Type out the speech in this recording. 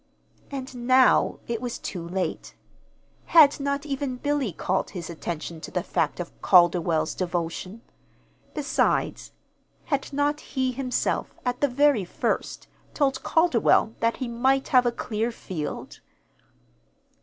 And now it was too late. Had not even Billy called his attention to the fact of Calderwell's devotion? Besides, had not he himself, at the very first, told Calderwell that he might have a clear field?